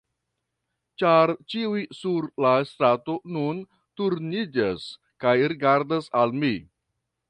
ĉar ĉiuj sur la strato nun turniĝas kaj rigardas al mi.